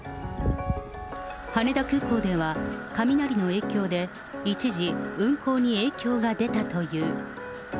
羽田空港では、雷の影響で、一時、運航に影響が出たという。